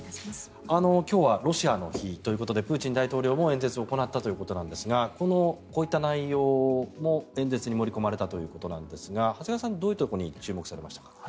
今日はロシアの日ということでプーチン大統領も演説を行ったということなんですがこういった内容も演説に盛り込まれたということですが長谷川さん、どういったところに注目されましたか？